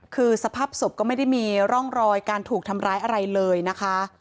คือสภาพศพก็ไม่ได้มีร่องรอยการถูกทำร้ายอะไรเลยนะคะ